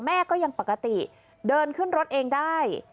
แม่ก็ยังปกติเดินขึ้นรถเองได้